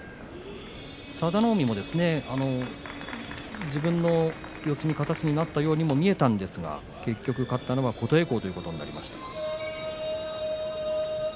佐田の海も自分の四つの形になったようにも見えたんですが結局、勝ったのは琴恵光ということになりました。